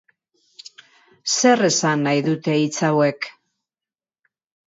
Zer esan nahi dute hitz hauek?